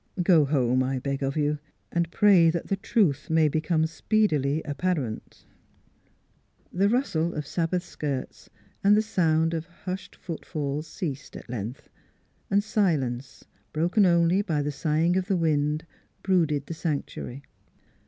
... Go home, I beg of you, and pray that the truth may become speedily apparent." The rustle of Sabbath skirts and the sound of hushed footfalls ceased at length, and silence, broken only by the sighing of the wind, brooded the sanctuary.